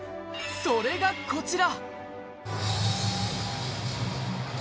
それがこちら